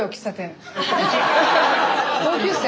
同級生。